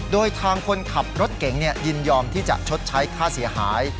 โดยทางคนขับรถเก๋งยินยอมที่จะชดใช้ค่าเสียหาย